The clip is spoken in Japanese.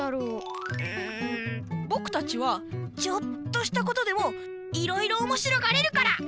うんぼくたちはちょっとしたことでもいろいろおもしろがれるから！